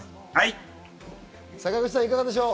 坂口さん、いかがでしょう？